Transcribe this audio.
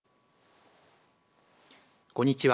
こんにちは。